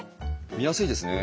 見やすいですね。